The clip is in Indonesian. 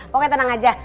pokoknya tenang aja